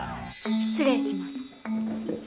失礼します。